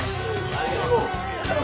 ありがとう！